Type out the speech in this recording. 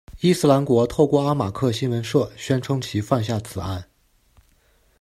伊斯兰国透过阿马克新闻社宣称其犯下此案。